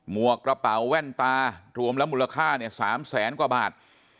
วกกระเป๋าแว่นตารวมแล้วมูลค่าเนี่ย๓แสนกว่าบาท